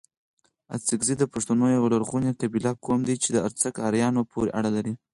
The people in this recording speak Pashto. اڅکزي دپښتونو يٶه لرغوني قبيله، قوم دئ چي د ارڅک اريانو پوري اړه لري